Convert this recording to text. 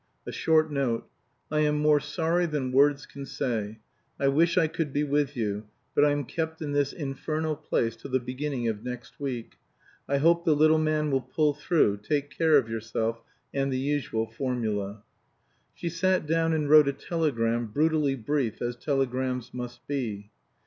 A short note: "I am more sorry than words can say. I wish I could be with you, but I'm kept in this infernal place till the beginning of next week. I hope the little man will pull through. Take care of yourself," and the usual formula. She sat down and wrote a telegram, brutally brief, as telegrams must be.